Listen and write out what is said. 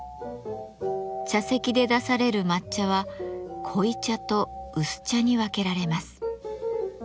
茶席で出される抹茶は濃茶と薄茶に分けられます。